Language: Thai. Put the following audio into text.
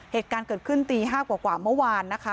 เหตุการณ์เกิดขึ้นตี๕กว่าเมื่อวานนะคะ